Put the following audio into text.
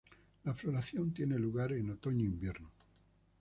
La floración tiene lugar en otoño invierno.